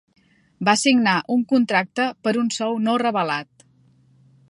Va signar un contracte per un sou no revelat.